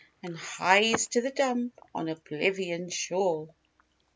And hies to the dump on oblivion's shore.